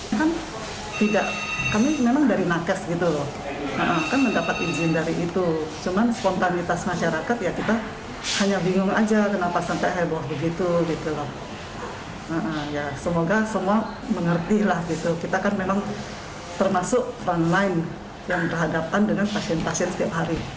yang berhadapan dengan vaksin vaksin setiap hari